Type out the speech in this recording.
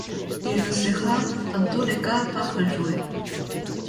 Il ne sera dans tous les cas pas rejoué.